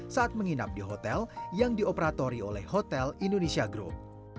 saat menginap di hotel yang dioperatori oleh hotel indonesia group